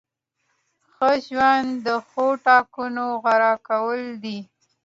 ښه ژوند د ښو ټاکنو غوره کول دي.